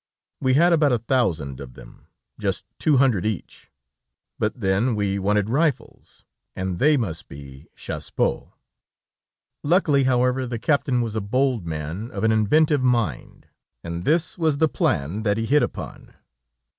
We had about a thousand of them, just two hundred each, but then we wanted rifles, and they must be Chassepots; luckily, however, the captain was a bold man of an inventive mind, and this was the plan that he hit upon.